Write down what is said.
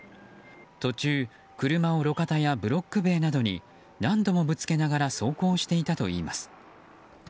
途中、車を路肩やブロック塀などに何度もぶつけながら走行をしていたといいます。